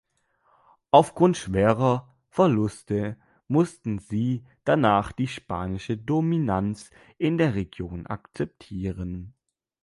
Aufgrund schwerer Verluste mussten sie danach die spanische Dominanz in der Region akzeptieren.